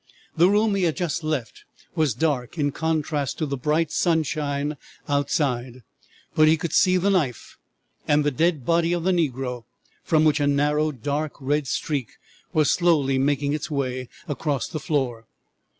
The room he had just left was dark in contrast to the bright sunshine outside; but he could see the knife and the dead body of the negro, from which a narrow dark red streak was slowly making its way across the floor.